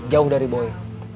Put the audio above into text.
jauh dari boy